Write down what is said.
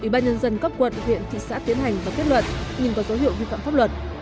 ubnd cấp quận huyện thị xã tiến hành và kết luận nhưng có dấu hiệu vi phạm pháp luật